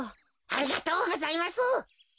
ありがとうございます。